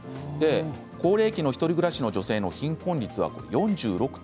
高齢者の１人暮らしの女性の貧困率は４６．２％。